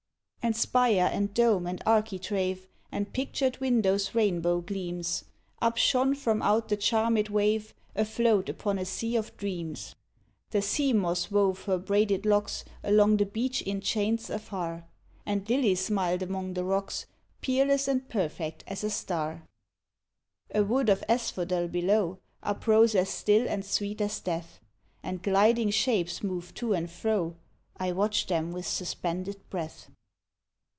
And spire and dome and architrave, And pictured window's rainbow gleams Upshone from out the charmed wave, Afloat upon a sea of dreams. The sea moss wove her braided locks Along the beach in chains afar, And lilies smiled among the rocks, Peerless and perfect as a star. A wood of asphodel below Uprose as still and sweet as death, And gliding shapes moved to and fro, I watched them with suspended breath.